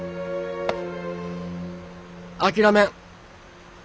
諦めん。